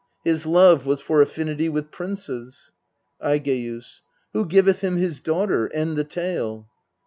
His love was for affinity with princes. Aigeus. Who giveth him his daughter ? End the tale.